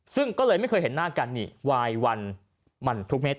ซึ่งก็เลยไม่เคยเห็นหน้ากันนี่วายวันมันทุกเม็ด